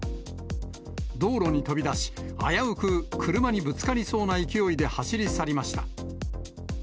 道路に飛び出し、危うく車にぶつかりそうな勢いで走り去りました。